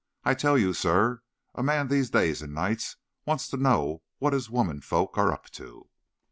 I tell you, Sir, a man these days and nights wants to know what his women folks are up to."